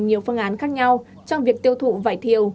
nhiều phương án khác nhau trong việc tiêu thụ vải thiều